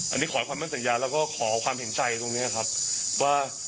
อันนี้ขอให้ความมั่นสัญญาแล้วก็ขอความเห็นใจตรงนี้ครับว่า